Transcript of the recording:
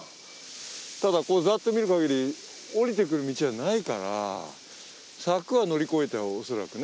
ただ、ざっと見る限り、下りてくる道はないから、柵は乗り越えたよ、恐らく。